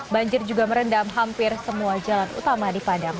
banjir juga merendam hampir semua jalan utama di padang